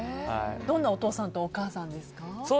どんなお父さんとお母さんですか？